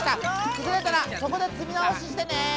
くずれたらそこでつみなおししてね。